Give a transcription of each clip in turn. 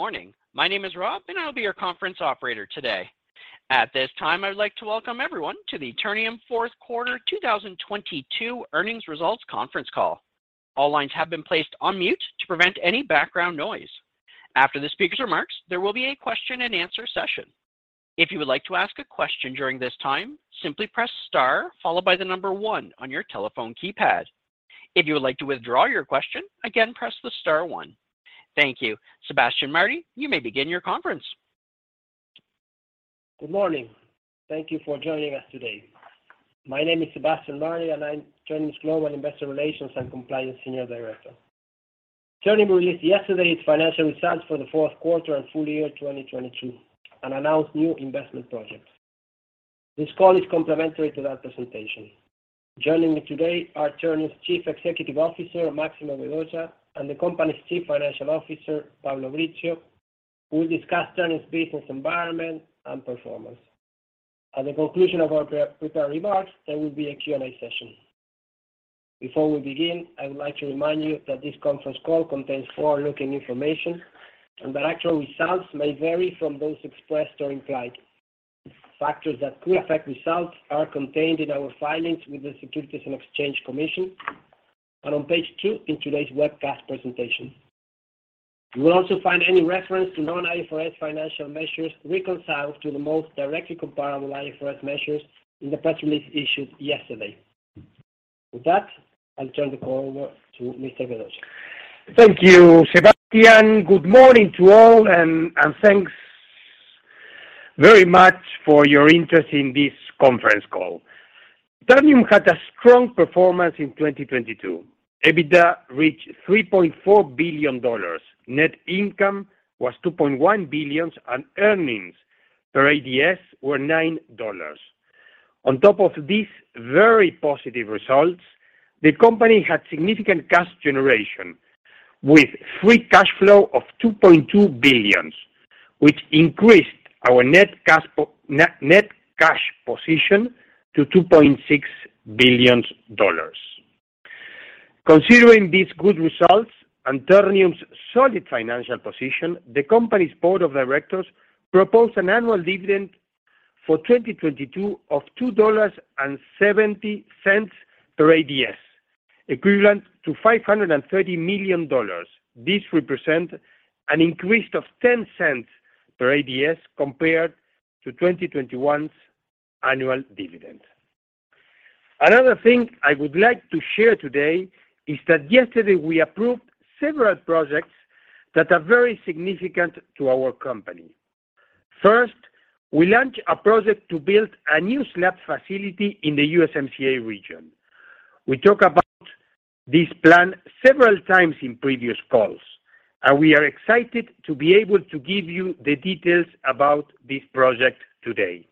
Good morning. My name is Rob. I'll be your conference operator today. At this time, I would like to welcome everyone to the Ternium Fourth Quarter 2022 earnings results conference call. All lines have been placed on mute to prevent any background noise. After the speaker's remarks, there will be a question and answer session. If you would like to ask a question during this time, simply press star followed by one on your telephone keypad. If you would like to withdraw your question, again, press the star one. Thank you. Sebastián Martí, you may begin your conference. Good morning. Thank you for joining us today. My name is Sebastián Martí, and I'm Ternium's Global Investor Relations and Compliance Senior Director. Ternium released yesterday its financial results for the fourth quarter and full year 2022 and announced new investment projects. This call is complimentary to that presentation. Joining me today are Ternium's Chief Executive Officer, Máximo Vedoya, and the company's Chief Financial Officer, Pablo Brizzio, who will discuss Ternium's business environment and performance. At the conclusion of our pre-prepared remarks, there will be a Q&A session. Before we begin, I would like to remind you that this conference call contains forward-looking information and that actual results may vary from those expressed or implied. Factors that could affect results are contained in our filings with the Securities and Exchange Commission and on page two in today's webcast presentation. You will also find any reference to non-IFRS financial measures reconciled to the most directly comparable IFRS measures in the press release issued yesterday. With that, I'll turn the call over to Mr. Vedoya. Thank you, Sebastián. Good morning to all and thanks very much for your interest in this conference call. Ternium had a strong performance in 2022. EBITDA reached $3.4 billion. Net income was $2.1 billion, and earnings per ADS were $9. On top of these very positive results, the company had significant cash generation with free cash flow of $2.2 billion, which increased our net cash position to $2.6 billion. Considering these good results and Ternium's solid financial position, the company's board of directors proposed an annual dividend for 2022 of $2.70 per ADS, equivalent to $530 million. This represent an increase of $0.10 per ADS compared to 2021's annual dividend. Another thing I would like to share today is that yesterday we approved several projects that are very significant to our company. First, we launched a project to build a new slab facility in the USMCA region. We talk about this plan several times in previous calls. We are excited to be able to give you the details about this project today.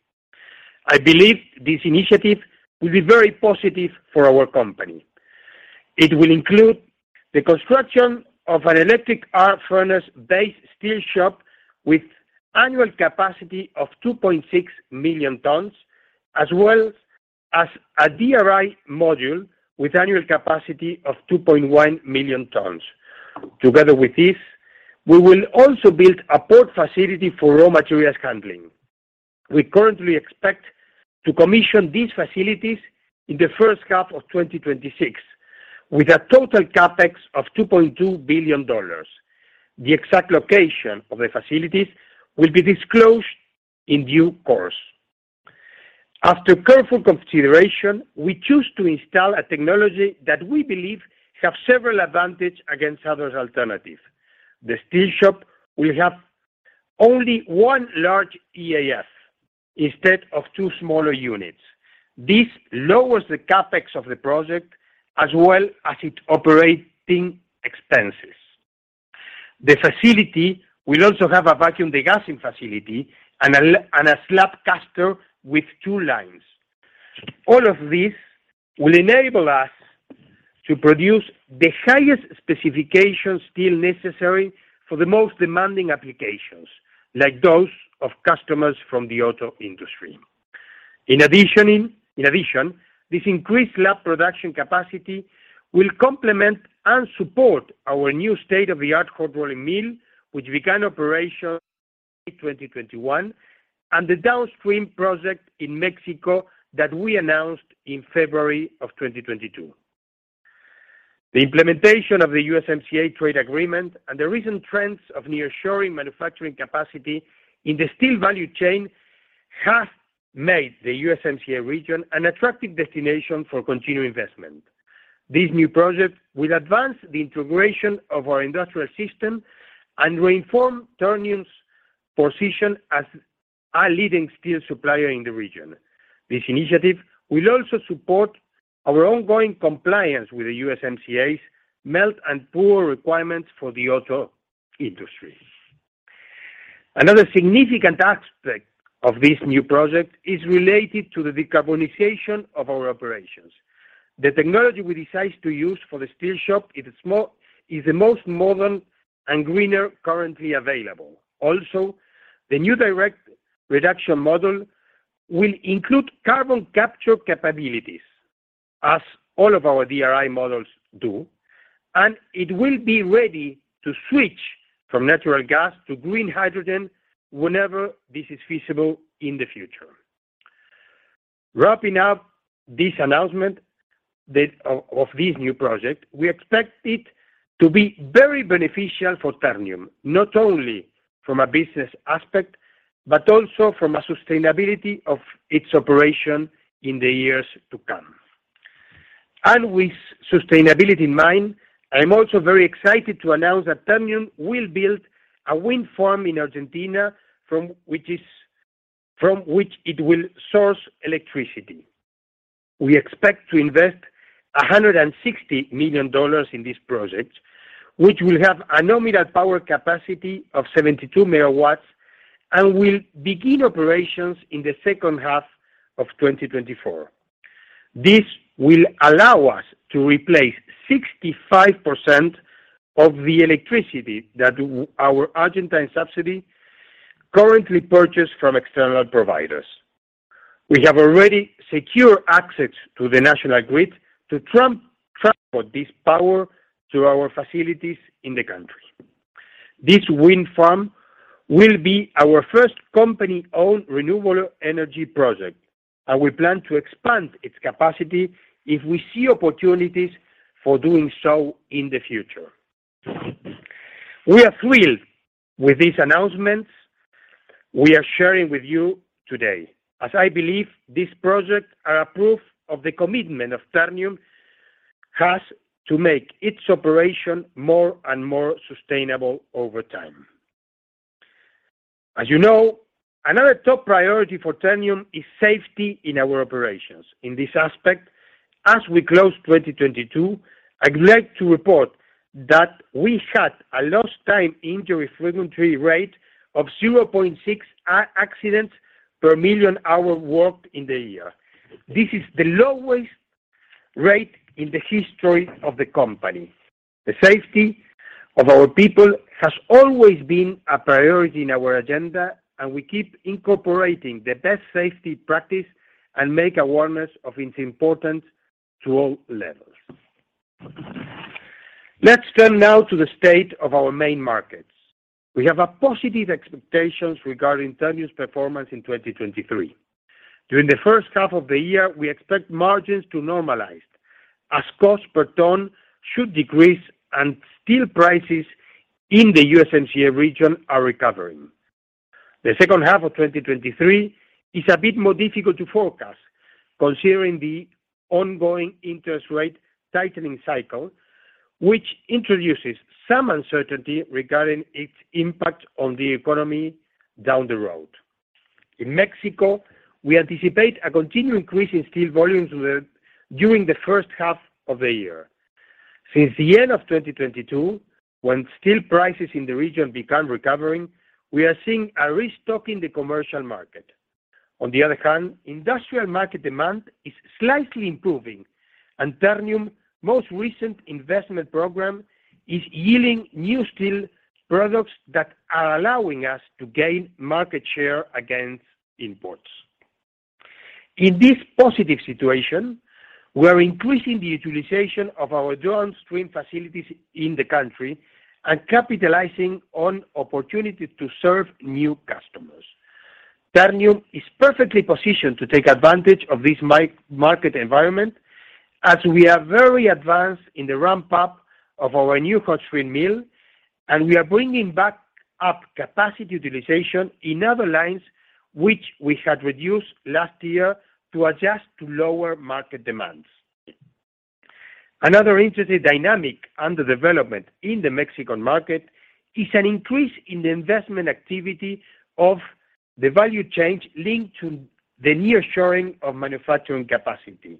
I believe this initiative will be very positive for our company. It will include the construction of an electric arc furnace-based steel shop with annual capacity of 2.6 million tons, as well as a DRI module with annual capacity of 2.1 million tons. Together with this, we will also build a port facility for raw materials handling. We currently expect to commission these facilities in the first half of 2026, with a total CapEx of $2.2 billion. The exact location of the facilities will be disclosed in due course. After careful consideration, we choose to install a technology that we believe have several advantage against other alternative. The steel shop will have only one large EAF instead of two smaller units. This lowers the CapEx of the project as well as its operating expenses. The facility will also have a vacuum degassing facility and a slab caster with two lines. All of this will enable us to produce the highest specification steel necessary for the most demanding applications, like those of customers from the auto industry. In addition, this increased lab production capacity will complement and support our new state-of-the-art cold rolling mill, which began operation in 2021, and the downstream project in Mexico that we announced in February of 2022. The implementation of the USMCA trade agreement and the recent trends of nearshoring manufacturing capacity in the steel value chain has made the USMCA region an attractive desTimnation for continued investment. This new project will advance the integration of our industrial system and reinforce Ternium's position as a leading steel supplier in the region. This initiative will also support our ongoing compliance with the USMCA's melt and pour requirements for the auto industry. Another significant aspect of this new project is related to the decarbonization of our operations. The technology we decided to use for the steel shop is the most modern and greener currently available. Also, the new direct reduction model will include carbon capture capabilities. As all of our DRI models do, and it will be ready to switch from natural gas to green hydrogen whenever this is feasible in the future. Wrapping up this announcement of this new project, we expect it to be very beneficial for Ternium, not only from a business aspect, but also from a sustainability of its operation in the years to come. With sustainability in mind, I'm also very excited to announce that Ternium will build a wind farm in Argentina from which it will source electricity. We expect to invest $160 million in this project, which will have a nominal power capacity of 72 megawatts and will begin operations in the second half of 2024. This will allow us to replace 65% of the electricity that our Argentine subsidiary currently purchase from external providers. We have already secure access to the national grid to transport this power to our facilities in the country. This wind farm will be our first company-owned renewable energy project. We plan to expand its capacity if we see opportunities for doing so in the future. We are thrilled with these announcements we are sharing with you today, as I believe these projects are a proof of the commitment of Ternium has to make its operation more and more sustainable over time. As you know, another top priority for Ternium is safety in our operations. In this aspect, as we close 2022, I'd like to report that we had a lost time injury frequency rate of 0.6 accidents per million hours worked in the year. This is the lowest rate in the history of the company. The safety of our people has always been a priority in our agenda, and we keep incorporating the best safety practice and make awareness of its importance to all levels. Let's turn now to the state of our main markets. We have a positive expectations regarding Ternium's performance in 2023. During the first half of the year, we expect margins to normalize as cost per ton should decrease and steel prices in the USMCA region are recovering. The second half of 2023 is a bit more difficult to forecast considering the ongoing interest rate tightening cycle, which introduces some uncertainty regarding its impact on the economy down the road. In Mexico, we anticipate a continued increase in steel volumes during the first half of the year. Since the end of 2022, when steel prices in the region began recovering, we are seeing a restock in the commercial market. On the other hand, industrial market demand is slightly improving, and Ternium most recent investment program is yielding new steel products that are allowing us to gain market share against imports. In this positive situation, we're increasing the utilization of our downstream facilities in the country and capitalizing on opportunities to serve new customers. Ternium is perfectly positioned to take advantage of this market environment, as we are very advanced in the ramp up of our new hot strip mill, and we are bringing back up capacity utilization in other lines which we had reduced last year to adjust to lower market demands. Another interesting dynamic under development in the Mexican market is an increase in the investment activity of the value chain linked to the nearshoring of manufacturing capacity.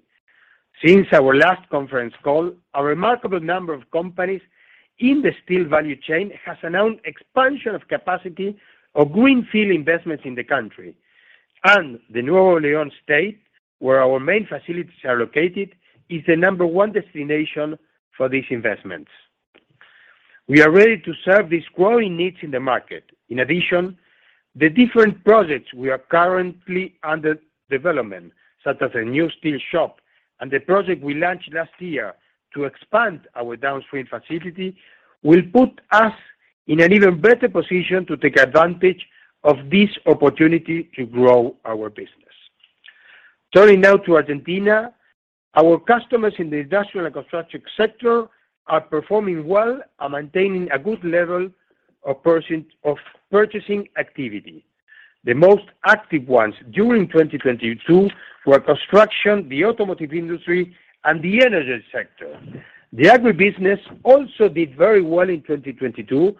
Since our last conference call, a remarkable number of companies in the steel value chain has announced expansion of capacity of greenfield investments in the country. The Nuevo León state, where our main facilities are located, is the number one desTimnation for these investments. We are ready to serve these growing needs in the market. In addition, the different projects we are currently under development, such as a new steel shop and the project we launched last year to expand our downstream facility, will put us in an even better position to take advantage of this opportunity to grow our business. Turning now to Argentina, our customers in the industrial and construction sector are performing well and maintaining a good level of purchasing activity. The most active ones during 2022 were construction, the automotive industry, and the energy sector. The agribusiness also did very well in 2022,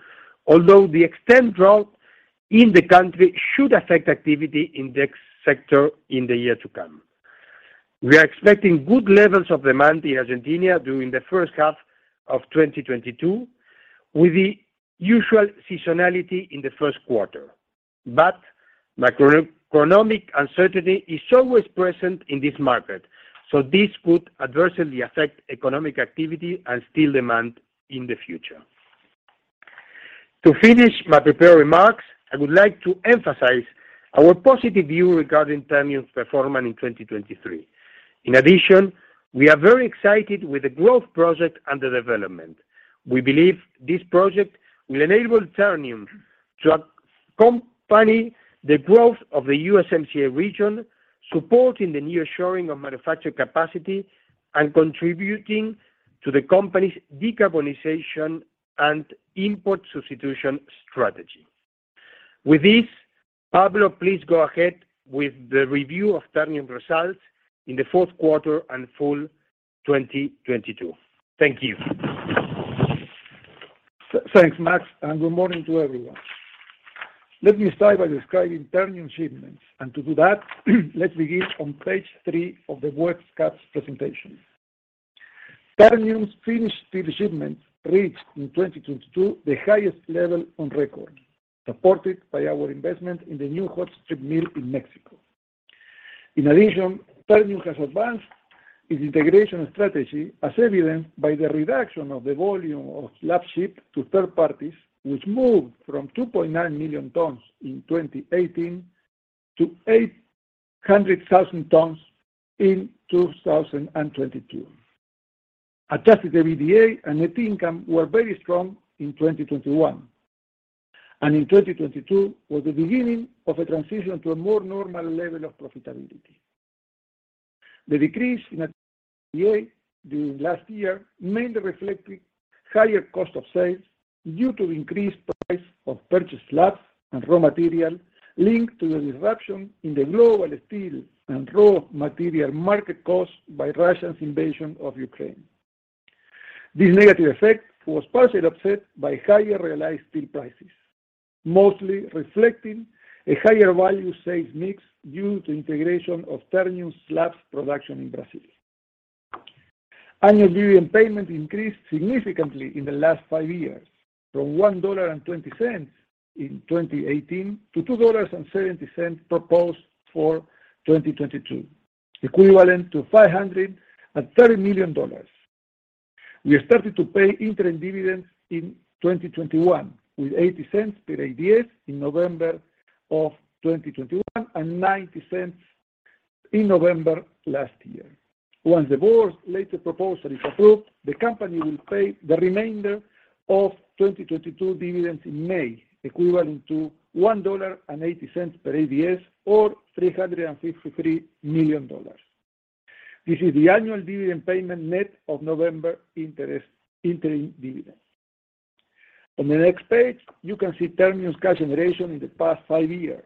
although the extreme drought in the country should affect activity in the sector in the year to come. We are expecting good levels of demand in Argentina during the first half of 2022, with the usual seasonality in the first quarter. Macroeconomic uncertainty is always present in this market, so this could adversely affect economic activity and steel demand in the future. To finish my prepared remarks, I would like to emphasize our positive view regarding Ternium's performance in 2023. In addition, we are very excited with the growth project under development. We believe this project will enable Ternium to accompany the growth of the USMCA region, supporting the nearshoring of manufacturing capacity, and contributing to the company's decarbonization and import substitution strategy. With this, Pablo, please go ahead with the review of Ternium results in the fourth quarter and full 2022. Thank you. Thanks, Max, and good morning to everyone. Let me start by describing Ternium shipments. To do that, let's begin on page three of the Webcast presentation. Ternium's finished Steel Shipments reached in 2022 the highest level on record, supported by our investment in the new hot strip mill in Mexico. In addition, Ternium has advanced its integration strategy as evidenced by the reduction of the volume of slab shipped to third parties, which moved from 2.9 million tons in 2018 to 800,000 tons in 2022. Adjusted EBITDA and net income were very strong in 2021, and in 2022 was the beginning of a transition to a more normal level of profitability. The decrease in EBITDA during last year mainly reflected higher cost of sales due to increased price of purchased slab and raw material linked to the disruption in the global steel and raw material market caused by Russia's invasion of Ukraine. This negative effect was partially offset by higher realized steel prices, mostly reflecting a higher value sales mix due to integration of Ternium's slabs production in Brazil. Annual dividend payment increased significantly in the last five years, from $1.20 in 2018 to $2.70 proposed for 2022, equivalent to $530 million. We started to pay interim dividends in 2021, with $0.80 per ADS in November of 2021 and $0.90 in November last year. Once the board's latest proposal is approved, the company will pay the remainder of 2022 dividends in May, equivalent to $1.80 per ADS or $353 million. This is the annual dividend payment net of November interest, interim dividend. On the next page, you can see Ternium's cash generation in the past five years.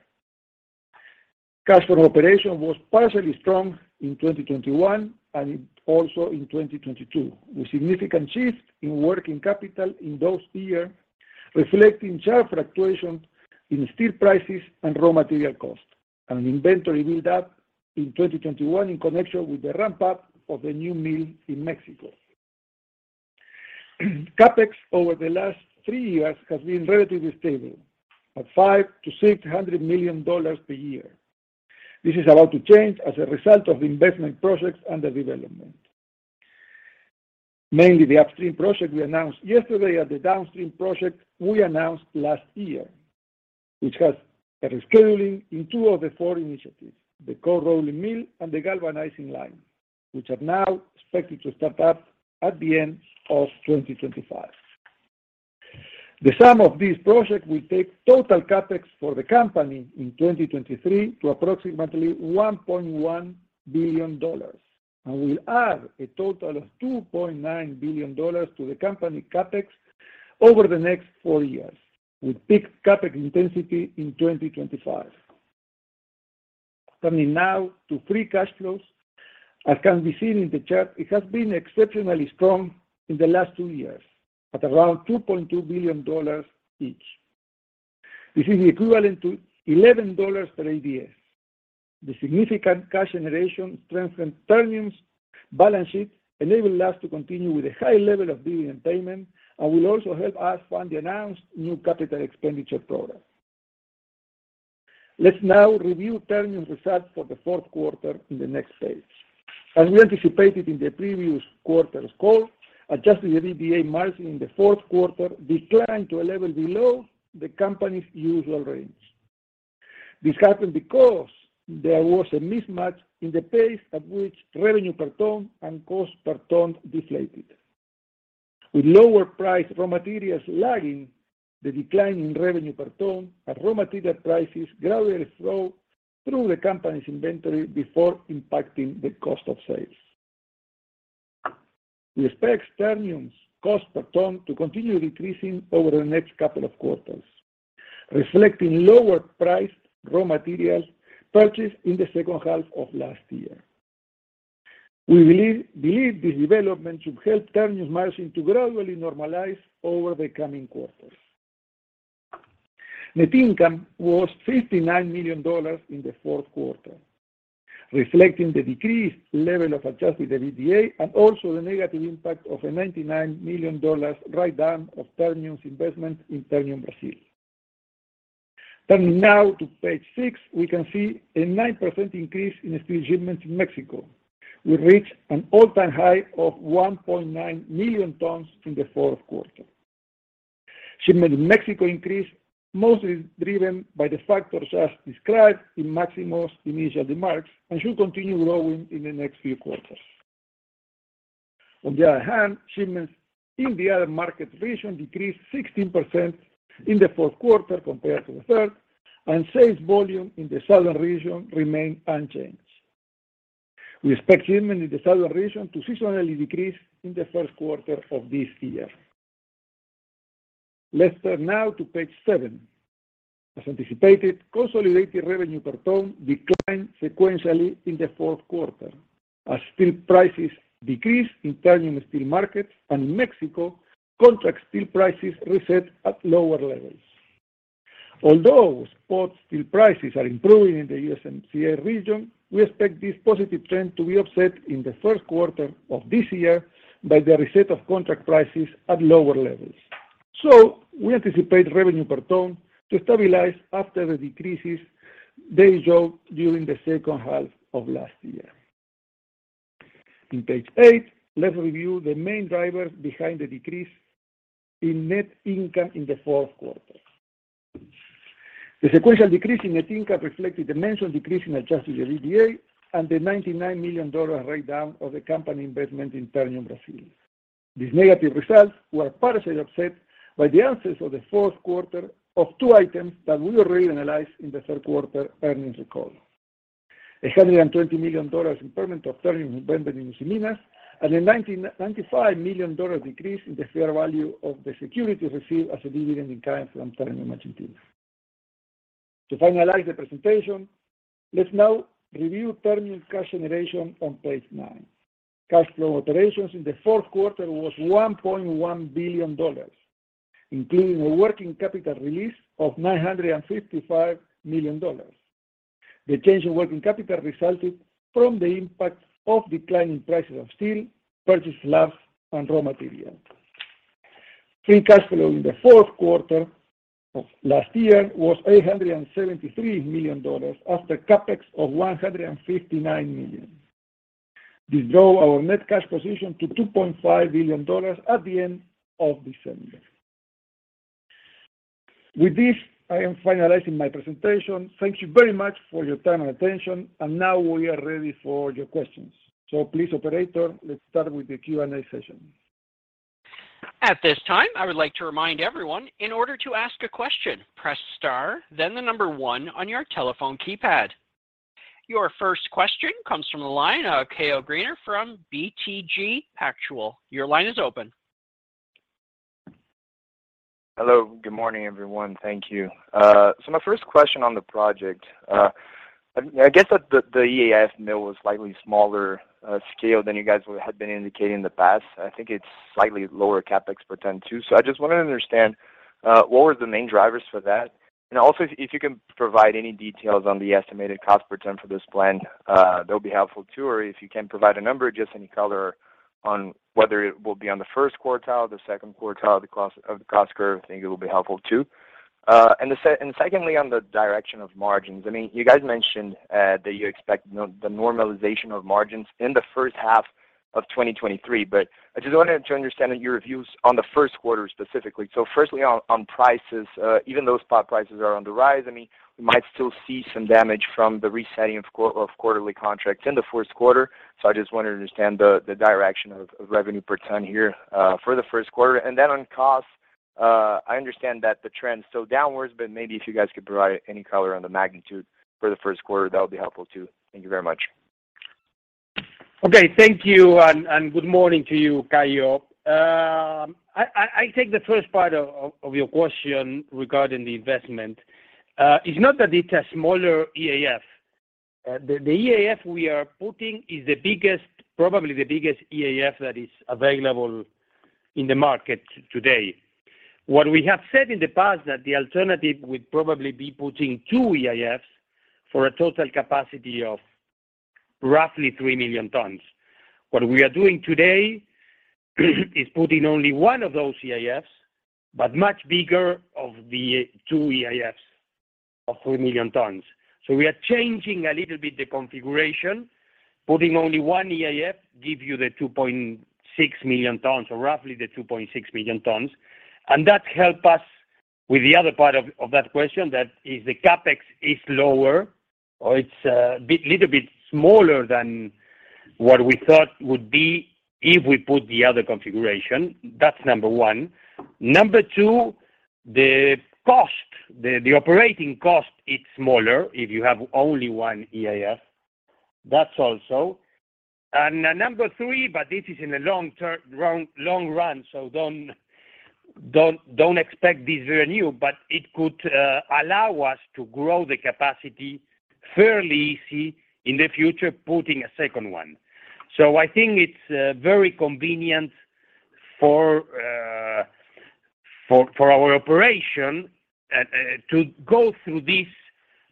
Cash from operation was partially strong in 2021 and also in 2022, with significant shifts in working capital in those years reflecting sharp fluctuations in steel prices and raw material costs and an inventory build-up in 2021 in connection with the ramp-up of the new mill in Mexico. CapEx over the last three years has been relatively stable at $500 million-600 million per year. This is about to change as a result of the investment projects under development. Mainly the upstream project we announced yesterday and the downstream project we announced last year, which has a rescheduling in two of the four initiatives, the cold rolling mill and the galvanizing line, which are now expected to start up at the end of 2025. The sum of these projects will take total CapEx for the company in 2023 to approximately $1.1 billion and will add a total of $2.9 billion to the company CapEx over the next four years, with peak CapEx intensity in 2025. Coming now to free cash flows. As can be seen in the chart, it has been exceptionally strong in the last two years at around $2.2 billion each. This is equivalent to $11 per ADS. The significant cash generation strengthen Ternium's balance sheet, enabling us to continue with a high level of dividend payment and will also help us fund the announced new capital expenditure program. Let's now review Ternium results for the 4th quarter in the next page. As we anticipated in the previous quarter's call, Adjusted EBITDA margin in the fourth quarter declined to a level below the company's usual range. This happened because there was a mismatch in the pace at which revenue per ton and cost per ton deflated. With lower priced raw materials lagging the decline in revenue per ton and raw material prices gradually flow through the company's inventory before impacting the cost of sales. We expect Ternium's cost per ton to continue decreasing over the next couple of quarters, reflecting lower priced raw materials purchased in the 2nd half of last year. We believe this development should help Ternium's margin to gradually normalize over the coming quarters. Net income was $59 million in the fourth quarter, reflecting the decreased level of Adjusted EBITDA and also the negative impact of a $99 million write-down of Ternium's investment in Ternium Brasil. Turning now to page six, we can see a 9% increase in the Steel Shipments in Mexico. We reached an all-time high of 1.9 million tons in the fourth quarter. Shipment in Mexico increased mostly driven by the factors as described in Máximo's initial remarks, should continue growing in the next few quarters. On the other hand, shipments in the other market region decreased 16% in the fourth quarter compared to the third, sales volume in the southern region remained unchanged. We expect shipment in the southern region to seasonally decrease in the first quarter of this year. Let's turn now to page seven. As anticipated, consolidated revenue per ton declined sequentially in the fourth quarter. As steel prices decreased in Ternium steel markets, and in Mexico, contract steel prices reset at lower levels. Although spot steel prices are improving in the USMCA region, we expect this positive trend to be offset in the first quarter of this year by the reset of contract prices at lower levels. We anticipate revenue per ton to stabilize after the decreases they showed during the second half of last year. In page eight, let's review the main drivers behind the decrease in net income in the fourth quarter. The sequential decrease in net income reflected the mentioned decrease in Adjusted EBITDA and the $99 million write down of the company investment in Ternium Brasil. These negative results were partially offset by the answers of the fourth quarter of two items that we already analyzed in the third quarter earnings record. $120 million impairment of Ternium investment in Usiminas, a $95 million decrease in the fair value of the security received as a dividend in kind from Ternium Argentina. To finalize the presentation, let's now review Ternium cash generation on page nine. Cash flow operations in the fourth quarter was $1.1 billion, including a working capital release of $955 million. The change in working capital resulted from the impact of declining prices of steel, purchased slabs, and raw material. Free cash flow in the fourth quarter of last year was $873 million after CapEx of $159 million. This grow our net cash position to $2.5 billion at the end of December. With this, I am finalizing my presentation. Thank you very much for your time and attention. Now we are ready for your questions. Please, operator, let's start with the Q&A session. At this time, I would like to remind everyone, in order to ask a question, press star then one on your telephone keypad. Your first question comes from the line of Caio Greiner from BTG Pactual.. Your line is open. Hello, good morning, everyone. Thank you. My first question on the project, I guess that the EAF mill was slightly smaller scale than you guys had been indicating in the past. I think it's slightly lower CapEx per ton too. I just wanted to understand what were the main drivers for that? Also, if you can provide any details on the estimated cost per ton for this plan, that'll be helpful too. If you can provide a number, just any color on whether it will be on the first quartile, the second quartile, of the cost curve, I think it will be helpful too. Secondly, on the direction of margins, I mean, you guys mentioned that you expect the normalization of margins in the first half of 2023. I just wanted to understand your views on the first quarter specifically. Firstly on prices, even though spot prices are on the rise, I mean, we might still see some damage from the resetting of quarterly contracts in the first quarter. I just wanted to understand the direction of revenue per ton here for the first quarter. On cost, I understand that the trend is still downwards, but maybe if you guys could provide any color on the magnitude for the first quarter, that would be helpful too. Thank you very much. Okay. Thank you and good morning to you, Caio Greiner. I take the first part of your question regarding the investment. The EAF we are putting is the biggest, probably the biggest EAF that is available in the market today. What we have said in the past that the alternative would probably be putting two EAFs for a total capacity of roughly 3 million tons. What we are doing today is putting only one of those EAFs, but much bigger of the two EAFs of 3 million tons. We are changing a little bit the configuration. Putting only one EAF give you the 2.6 million tons, or roughly the 2.6 million tons. That help us with the other part of that question, that is the CapEx is lower or it's a little bit smaller than what we thought would be if we put the other configuration. That's number one. Number two, the cost, the operating cost, it's smaller if you have only one EAF. That's also. Number three, but this is in the long, long run, so don't expect this very new, but it could allow us to grow the capacity fairly easy in the future, putting a second one. I think it's very convenient for our operation to go through this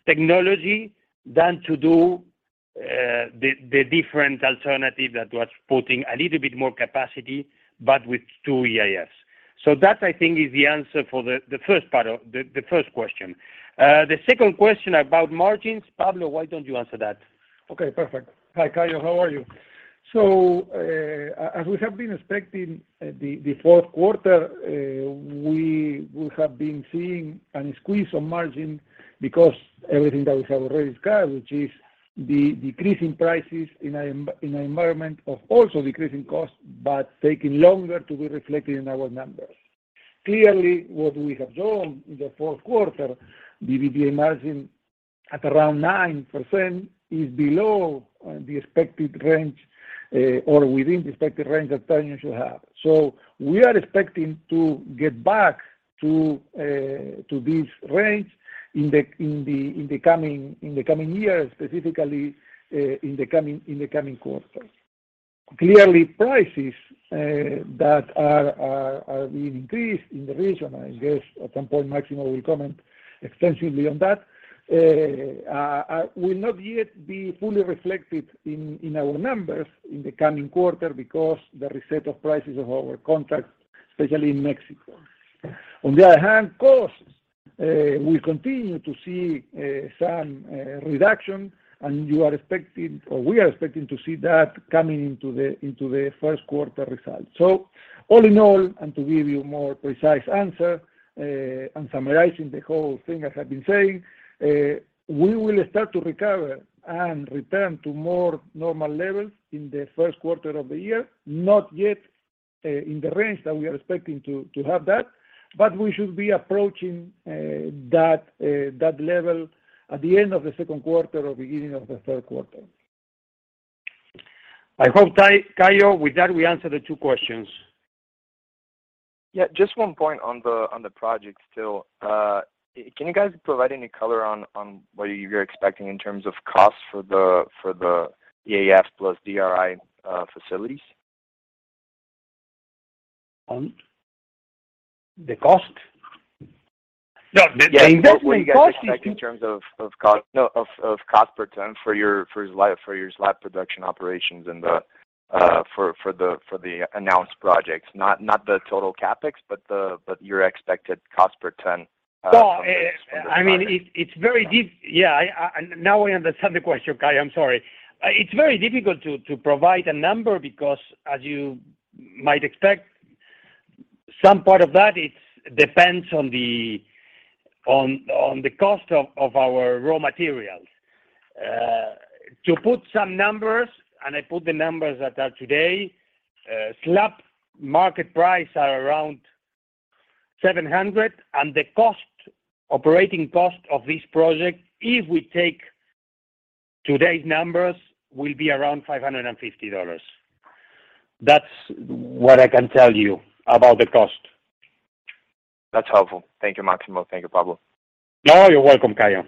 Technology than to do, the different alternative that was putting a little bit more capacity, but with two EAFs. That I think is the answer for the first part of the first question. The second question about margins, Pablo, why don't you answer that? Okay, perfect. Hi Caio, how are you? As we have been expecting the fourth quarter, we have been seeing a squeeze on margin because everything that we have already described, which is the decreasing prices in an environment of also decreasing costs, but taking longer to be reflected in our numbers. Clearly, what we have done in the fourth quarter, EBITDA margin at around 9% is below the expected range or within the expected range that Ternium should have. We are expecting to get back to this range in the coming years, specifically, in the coming quarters. Clearly, prices that are being increased in the region, I guess at some point Máximo will comment extensively on that, will not yet be fully reflected in our numbers in the coming quarter because the reset of prices of our contracts, especially in Mexico. On the other hand, costs, we continue to see some reduction, and you are expecting or we are expecting to see that coming into the first quarter results. All in all, and to give you more precise answer, and summarizing the whole thing I have been saying, we will start to recover and return to more normal levels in the first quarter of the year. Not yet, in the range that we are expecting to have that, but we should be approaching that level at the end of the second quarter or beginning of the third quarter. I hope Caio Greiner, with that, we answered the two questions. Yeah. Just one point on the, on the project still. Can you guys provide any color on what you're expecting in terms of costs for the, for the EAF plus DRI facilities? On the cost? No. The investment cost is. Yeah. What are you guys expecting in terms of cost per ton for your slab production operations and for the announced projects? Not the total CapEx, but your expected cost per ton from those projects. No. I mean, Yeah, I now I understand the question, Caio, I'm sorry. It's very difficult to provide a number because as you might expect, some part of that it's depends on the cost of our raw materials. To put some numbers, and I put the numbers that are today, slab market price are around $700, and the cost, operating cost of this project, if we take today's numbers, will be around $550. That's what I can tell you about the cost. That's helpful. Thank you, Máximo. Thank you, Pablo. You're welcome, Caio.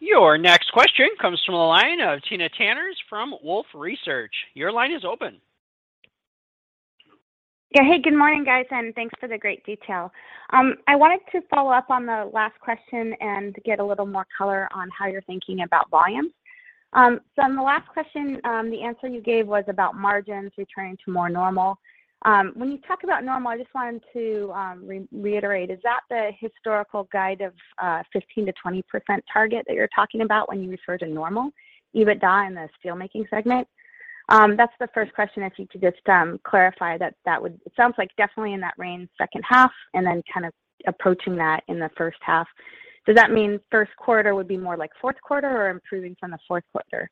Your next question comes from the line of Timna Tanners from Wolfe Research. Your line is open. Hey, good morning, guys, and thanks for the great detail. I wanted to follow up on the last question and get a little more color on how you're thinking about volumes. On the last question, the answer you gave was about margins returning to more normal. When you talk about normal, I just wanted to re-reiterate, is that the historical guide of 15%-20% target that you're talking about when you refer to normal, EBITDA in the steel making segment? That's the first question. If you could just clarify that that would. It sounds like definitely in that range second half, and then kind of approaching that in the first half. Does that mean first quarter would be more like fourth quarter or improving from the fourth quarter?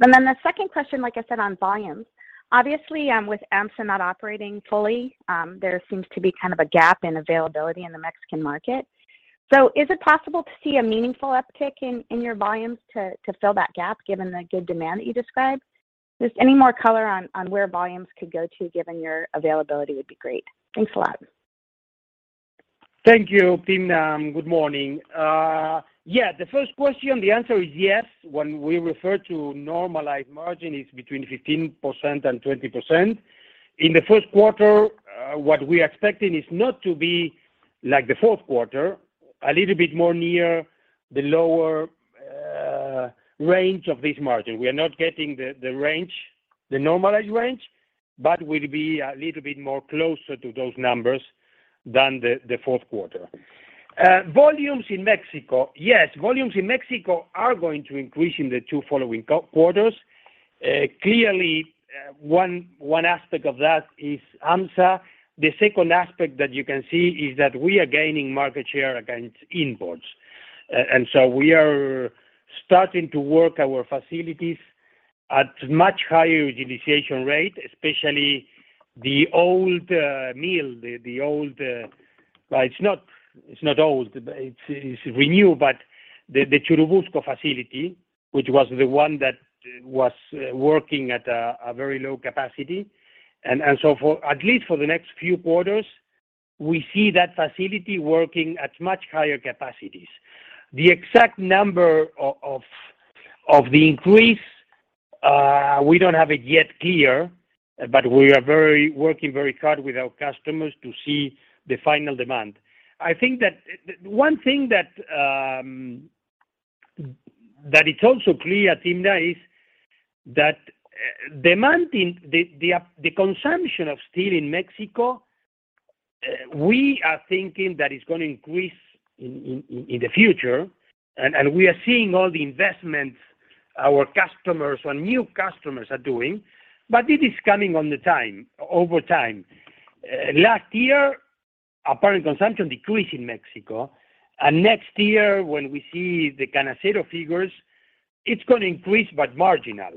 The second question, like I said on volumes, obviously, with AHMSA not operating fully, there seems to be kind of a gap in availability in the Mexican market. Is it possible to see a meaningful uptick in your volumes to fill that gap given the good demand that you described? Just any more color on where volumes could go to given your availability would be great. Thanks a lot. Thank you, Timna. Good morning. Yeah, the first question, the answer is yes. When we refer to normalized margin, it's between 15% and 20%. In the first quarter, what we're expecting is not to be like the fourth quarter, a little bit more near the lower range of this margin. We are not getting the range, the normalized range, but we'll be a little bit more closer to those numbers than the fourth quarter. Volumes in Mexico. Yes, volumes in Mexico are going to increase in the 2 following quarters. Clearly, one aspect of that is AHMSA. The second aspect that you can see is that we are gaining market share against imports. We are starting to work our facilities at much higher utilization rate, especially the old mill, the old... It's not old, it's renewed, but the Churubusco facility, which was the one that was working at a very low capacity. For at least for the next few quarters, we see that facility working at much higher capacities. The exact number of the increase, we don't have it yet clear, but we are working very hard with our customers to see the final demand. I think that one thing that is also clear, Timna, is that demand in the consumption of steel in Mexico, we are thinking that it's gonna increase in the future. We are seeing all the investments our customers and new customers are doing, but it is coming over time. Last year, apparent consumption decreased in Mexico. Next year, when we see the Canacero figures, it's gonna increase, but marginal.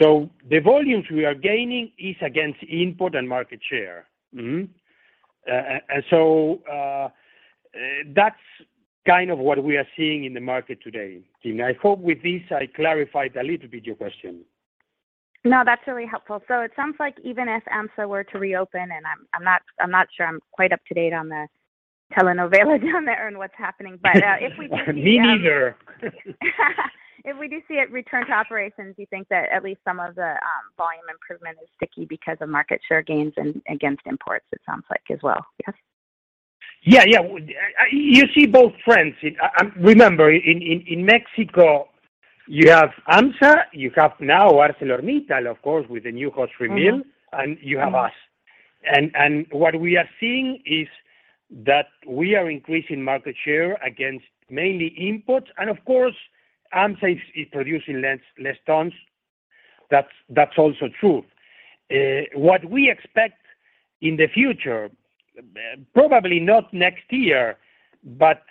The volumes we are gaining is against import and market share. That's kind of what we are seeing in the market today, Timna. I hope with this I clarified a little bit your question. That's really helpful. It sounds like even if AHMSA were to reopen, and I'm not sure I'm quite up to date on the telenovela down there and what's happening. Me neither. If we do see it return to operations, you think that at least some of the volume improvement is sticky because of market share gains and against imports, it sounds like as well. Yes? Yeah, yeah. You see both trends. Remember in Mexico, you have AHMSA, you have now ArcelorMittal, of course, with the new hot strip mill and you have us. What we are seeing is that we are increasing market share against mainly imports. Of course, AHMSA is producing less tons. That's also true. What we expect in the future, probably not next year, but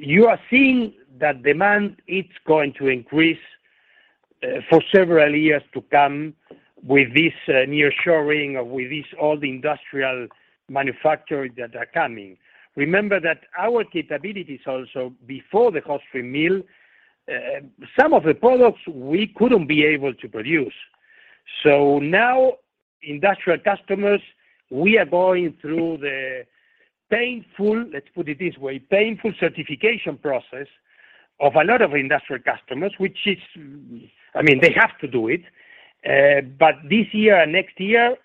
you are seeing that demand, it's going to increase for several years to come with this nearshoring, with this all the industrial manufacturing that are coming. Remember that our capabilities also before the hot strip mill, some of the products we couldn't be able to produce. Now industrial customers, we are going through the painful, let's put it this way, painful certification process of a lot of industrial customers, which is... I mean, they have to do it. This year and next year,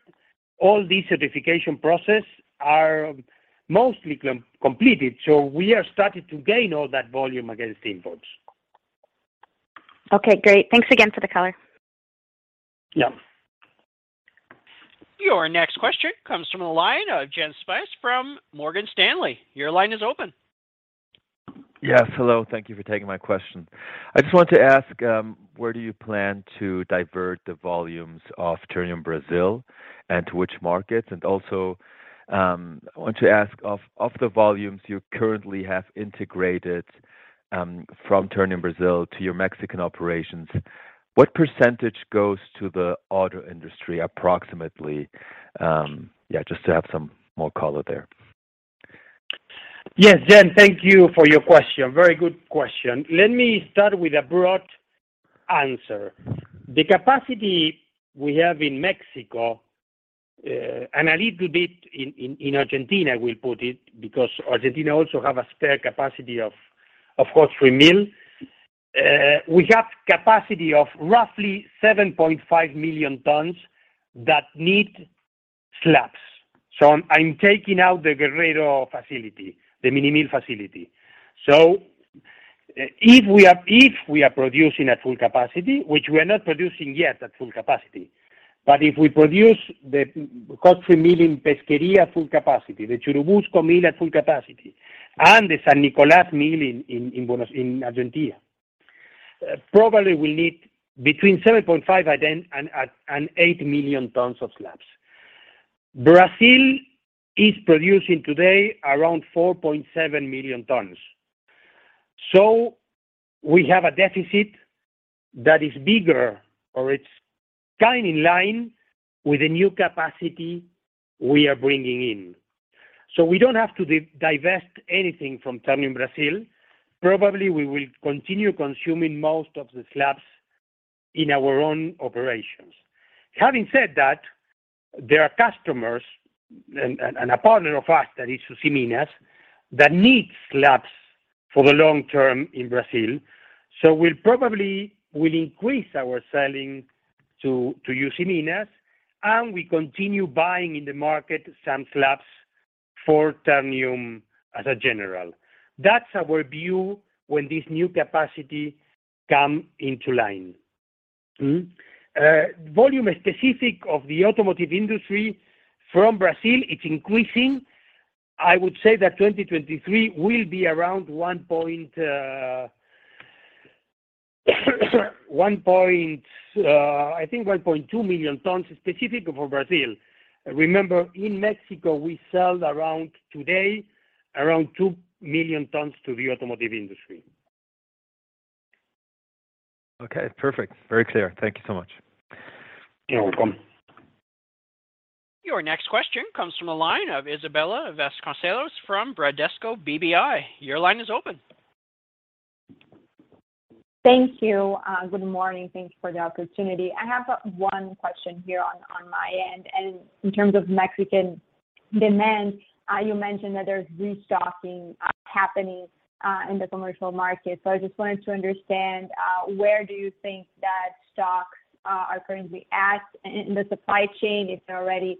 all these certification process are mostly completed. We are starting to gain all that volume against imports. Okay, great. Thanks again for the color. Yeah. Your next question comes from the line of [inaudible] from Morgan Stanley. Your line is open. Yes. Hello. Thank you for taking my question. I just want to ask, where do you plan to divert the volumes of Ternium Brasil and to which markets? Also, I want to ask of the volumes you currently have integrated, from Ternium Brasil to your Mexican operations, what % goes to the auto industry approximately? Just to have some more color there. Yes. Jan, thank you for your question. Very good question. Let me start with a broad answer. The capacity we have in Mexico, and a little bit in Argentina, we'll put it, because Argentina also have a spare capacity of hot strip mill. We have capacity of roughly 7.5 million tons that need slabs. I'm taking out the Guerrero facility, the mini mill facility. If we are producing at full capacity, which we are not producing yet at full capacity, but if we produce the hot strip mill in Pesquería at full capacity, the Churubusco mill at full capacity, and the San Nicolás mill in Argentina, probably we'll need between 7.5 and 8 million tons of slabs. Brazil is producing today around 4.7 million tons. We have a deficit that is bigger or it's kind in line with the new capacity we are bringing in. We don't have to divest anything from Ternium Brasil. Probably we will continue consuming most of the slabs in our own operations. Having said that, there are customers and a partner of us, that is Usiminas, that needs slabs for the long term in Brazil. We'll probably will increase our selling to Usiminas, and we continue buying in the market some slabs for Ternium as a general. That's our view when this new capacity come into line. Volume specific of the automotive industry from Brazil, it's increasing. I would say that 2023 will be around 1.2 million tons specific for Brazil. Remember, in Mexico, we sell around today, around 2 million tons to the automotive industry. Okay, perfect. Very clear. Thank you so much. You're welcome. Your next question comes from a line of Isabella Vasconcelos from Bradesco BBI. Your line is open. Thank you. Good morning. Thank you for the opportunity. I have one question here on my end. In terms of Mexican demand, you mentioned that there's restocking happening in the commercial market. I just wanted to understand where do you think that stocks are currently at in the supply chain, if they're already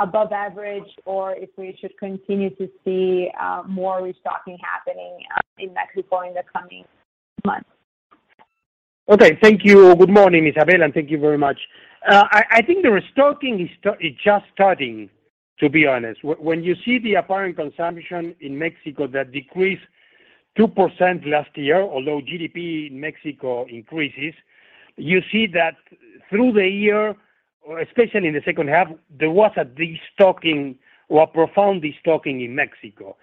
above average, or if we should continue to see more restocking happening in Mexico in the coming months? Okay. Thank you. Good morning, Isabella, and thank you very much. I think the restocking is just starting, to be honest. When you see the apparent consumption in Mexico that decreased 2% last year, although GDP in Mexico increases, you see that through the year, especially in the second half, there was a destocking or a profound destocking in Mexico.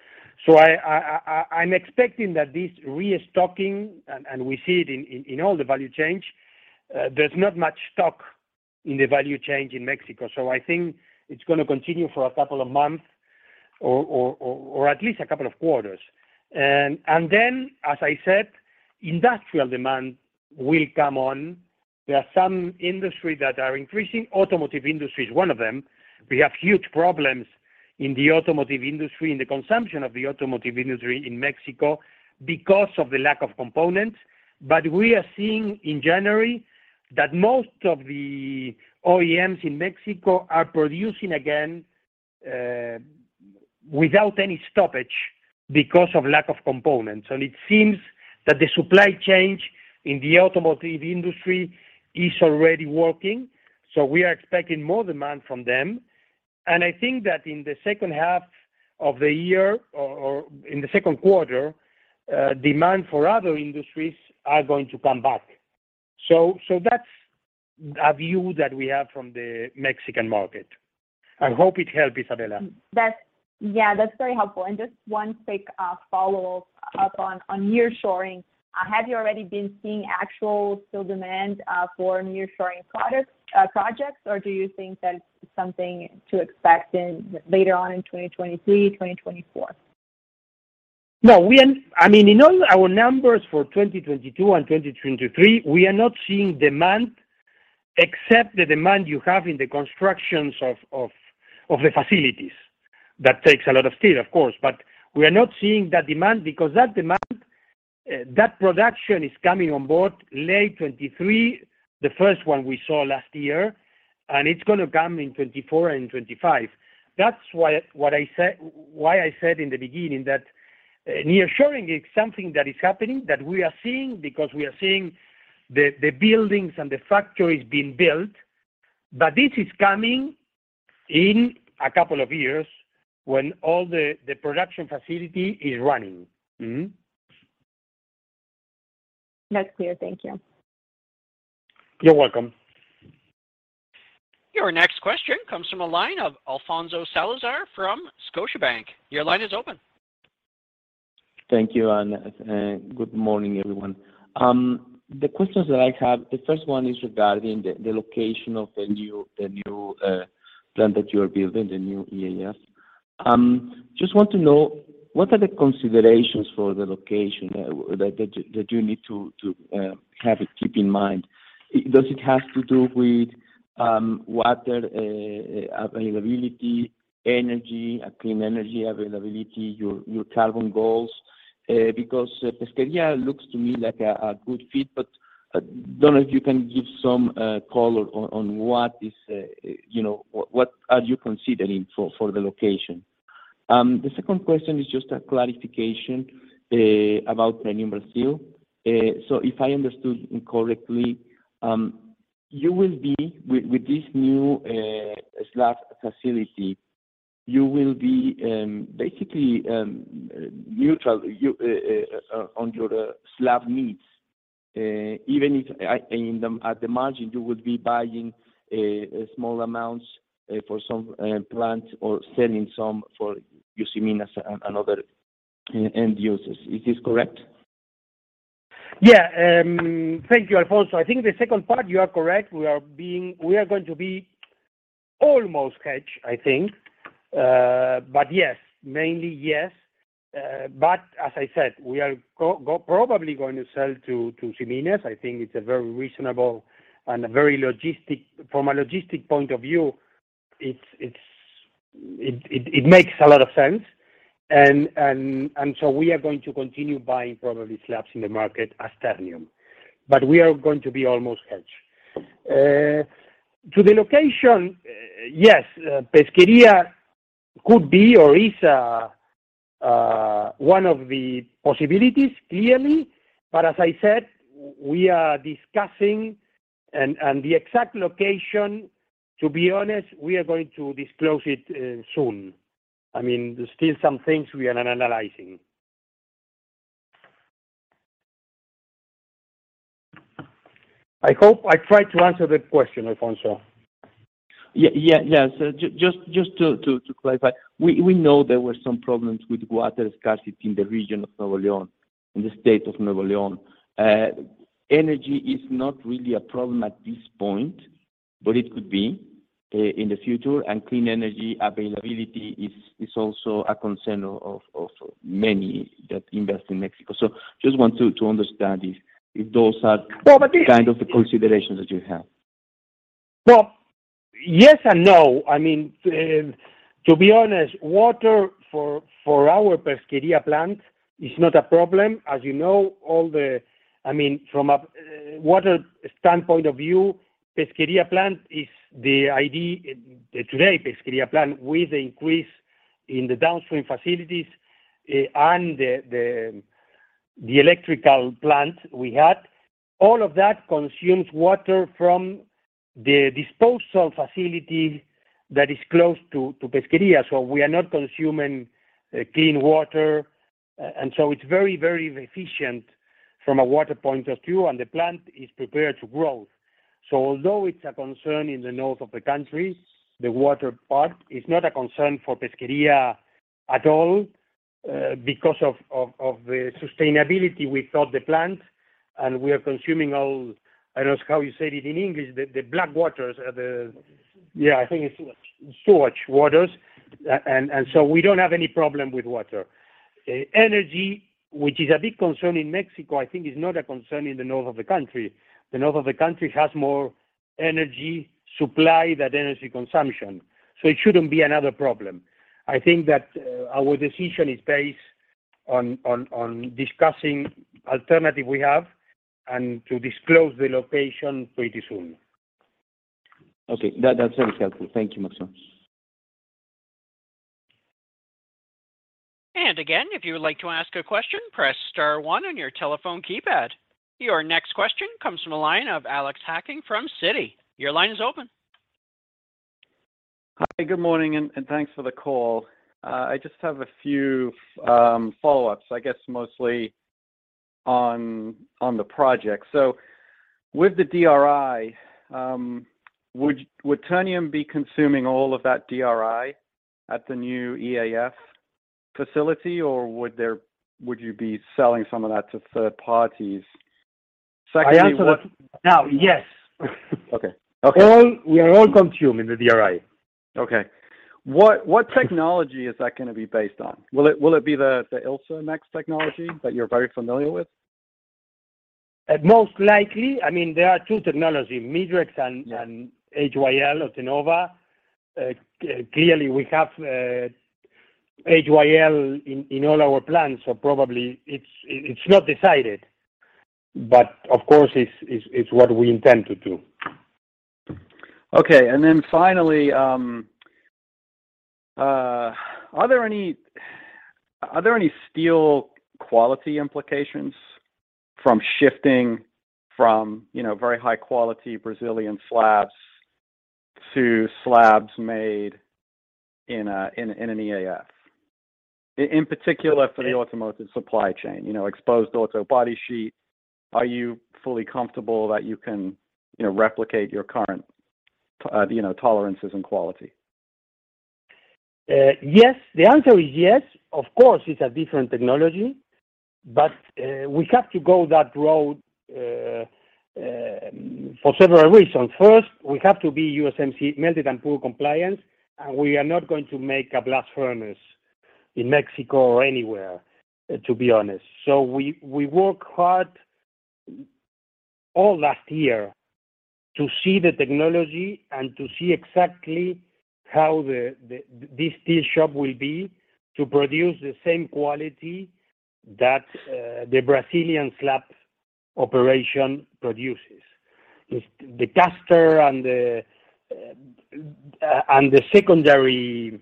I'm expecting that this restocking, and we see it in all the value chain, there's not much stock in the value chain in Mexico. I think it's gonna continue for a couple of months or at least a couple of quarters. As I said, industrial demand will come on. There are some industries that are increasing. Automotive industry is one of them. We have huge problems in the automotive industry, in the consumption of the automotive industry in Mexico because of the lack of components. We are seeing in January that most of the OEMs in Mexico are producing again without any stoppage because of lack of components. It seems that the supply chain in the automotive industry is already working, so we are expecting more demand from them. I think that in the second half of the year or in the second quarter, demand for other industries are going to come back. That's a view that we have from the Mexican market. I hope it helped, Isabella. Yeah, that's very helpful. Just one quick follow-up on nearshoring. Have you already been seeing actual steel demand for nearshoring products, projects, or do you think that it's something to expect later on in 2023, 2024? No. I mean, in all our numbers for 2022 and 2023, we are not seeing demand except the demand you have in the constructions of the facilities. That takes a lot of steel, of course. We are not seeing that demand because that demand, that production is coming on board late 2023, the first one we saw last year, and it's gonna come in 2024 and 2025. That's why, what I said, why I said in the beginning that nearshoring is something that is happening, that we are seeing because we are seeing the buildings and the factories being built. This is coming in a couple of years when all the production facility is running. That's clear. Thank you. You're welcome. Your next question comes from a line of Alfonso Salazar from Scotiabank. Your line is open. Thank you. Good morning, everyone. The questions that I have, the first one is regarding the location of the new plant that you are building, the new EAF. Just want to know, what are the considerations for the location that you need to have it keep in mind? Does it have to do with water availability, energy, a clean energy availability, your carbon goals? Pesquería looks to me like a good fit, but don't know if you can give some color on what is, you know, what are you considering for the location. The second question is just a clarification about the new Brazil. If I understood correctly, you will be with this new slab facility, you will be basically neutral on your slab needs, even if and at the margin, you would be buying small amounts for some plant or selling some for Usiminas and other end users. Is this correct? Yeah. Thank you, Alfonso. I think the second part you are correct. We are going to be almost hedged, I think. Yes. Mainly yes. As I said, we are probably going to sell to Usiminas. I think it's a very reasonable and a very logistic from a logistic point of view, it makes a lot of sense. We are going to continue buying probably slabs in the market as Ternium. We are going to be almost hedged. To the location, yes, Pesquería could be or is one of the possibilities, clearly. As I said, we are discussing and the exact location, to be honest, we are going to disclose it soon. I mean, there's still some things we are analyzing. I hope I tried to answer the question, Alfonso. Yeah. Yeah. Yeah. Just to clarify, we know there were some problems with water scarcity in the region of Nuevo León, in the state of Nuevo León. Energy is not really a problem at this point, but it could be in the future, and clean energy availability is also a concern of many that invest in Mexico. Just want to understand if those are? Well. kind of the considerations that you have. Well, yes and no. I mean, to be honest, water for our Pesquería plant is not a problem. As you know, I mean, from a water standpoint of view, Pesquería plant is the ID. Today, Pesquería plant with the increase in the downstream facilities, and the electrical plant we had, all of that consumes water from the disposal facility that is close to Pesquería. We are not consuming clean water, and so it's very, very efficient from a water point of view, and the plant is prepared to grow. Although it's a concern in the north of the country, the water part is not a concern for Pesquería at all, because of the sustainability we thought the plant and we are consuming all... I don't know how you say it in English, the black waters. Yeah, I think it's- Sewage. Sewage waters. So we don't have any problem with water. Energy, which is a big concern in Mexico, I think is not a concern in the north of the country. The north of the country has more energy supply than energy consumption, so it shouldn't be another problem. I think that our decision is based on discussing alternative we have and to disclose the location pretty soon. Okay. That's very helpful. Thank you, Máximo. Again, if you would like to ask a question, press star one on your telephone keypad. Your next question comes from the line of Alex Hacking from Citi. Your line is open. Hi, good morning, and thanks for the call. I just have a few follow-ups, I guess mostly on the project. With the DRI, would Ternium be consuming all of that DRI at the new EAF facility, or would you be selling some of that to third parties? Secondly, what. I answered that. Now, yes. Okay. Okay. We are all consuming the DRI. Okay. What technology is that gonna be based on? Will it be the ILSA next technology that you're very familiar with? Most likely. I mean, there are two technology, Midrex and HYL or Tenova. Clearly, we have HYL in all our plants, so probably it's not decided, but of course, it's what we intend to do. Finally, are there any steel quality implications from shifting from, you know, very high quality Brazilian slabs to slabs made in an EAF? In particular for the automotive supply chain, you know, exposed auto body sheet. Are you fully comfortable that you can, you know, replicate your current, you know, tolerances and quality? Yes. The answer is yes. Of course, it's a different technology, but we have to go that road for several reasons. First, we have to be USMCA melted and pool compliant, and we are not going to make a blast furnace in Mexico or anywhere, to be honest. We work hard all last year to see the technology and to see exactly how this steel shop will be to produce the same quality that the Brazilian slab operation produces. It's the caster and the secondary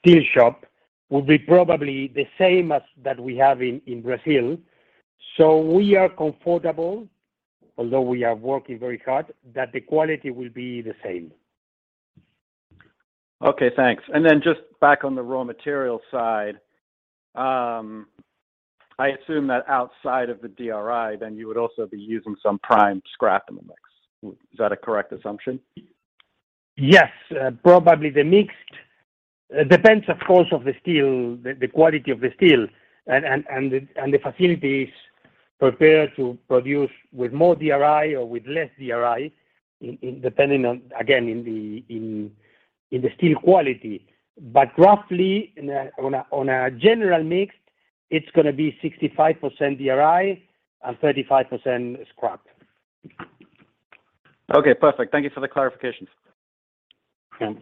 steel shop will be probably the same as that we have in Brazil. We are comfortable, although we are working very hard, that the quality will be the same. Okay, thanks. Just back on the raw material side, I assume that outside of the DRI then you would also be using some prime scrap in the mix. Is that a correct assumption? Yes. Probably the mixed Depends, of course, of the steel, the quality of the steel and the facilities prepared to produce with more DRI or with less DRI in depending on, again, in the steel quality. Roughly on a general mix, it's gonna be 65% DRI and 35% scrap. Okay, perfect. Thank you for the clarifications. Okay.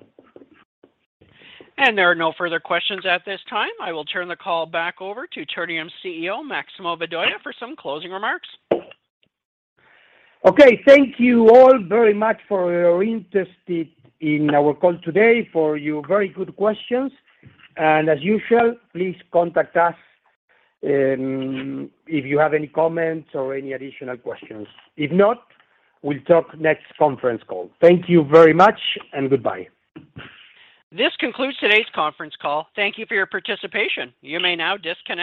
There are no further questions at this time. I will turn the call back over to Ternium CEO, Máximo Vedoya, for some closing remarks. Okay. Thank you all very much for your interest in our call today, for your very good questions. As usual, please contact us if you have any comments or any additional questions. If not, we'll talk next conference call. Thank you very much, and goodbye. This concludes today's conference call. Thank you for your participation. You may now disconnect.